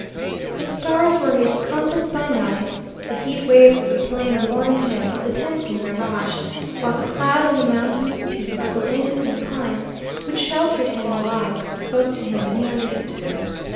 The stars were his compass by night, the heat waves of the plain warned him of the tempting mirage, while the cloud on the mountain's peak or the wind in the pines which sheltered him alike spoke to him and he understood.